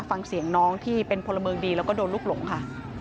ฟังเสียงน้องที่เป็นพลเมืองดีแล้วก็โดนลูกหลงค่ะ